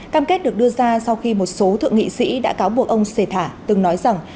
cam kết được đưa ra sau khi một số thượng nghị sĩ đã cáo buộc ông xê thả từng nói rằng